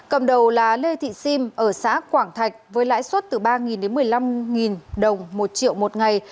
cầm đầu là lê thị sim ở xã quảng thạch với lãi suất từ ba đến một mươi năm đồng một triệu một ngày